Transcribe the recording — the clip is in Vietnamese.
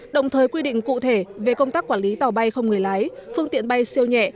đồng thời quy định cụ thể về công tác quản lý tàu bay không người lái phương tiện bay siêu nhẹ